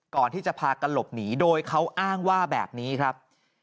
ก่อนที่จะพากันหลบหนีโดยเขาอ้างว่าแบบนี้ครับ